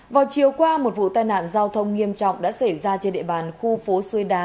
vào chiều qua một vụ tai nạn giao thông nghiêm trọng đã xảy ra trên địa bàn khu phố xuôi đá